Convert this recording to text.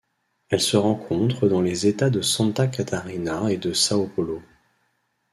Elle se rencontre dans les États de Santa Catarina et de São Paulo.